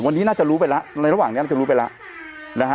วันนี้น่าจะรู้ไปแล้วในระหว่างนี้น่าจะรู้ไปแล้วนะฮะ